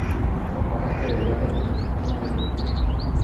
Forma parte del área metropolitana de Columbia.